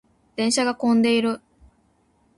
電車が混んでいる。